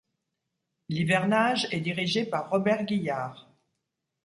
L'hivernage est dirigé par Robert Guillard.